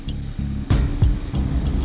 lo tuh gak usah alasan lagi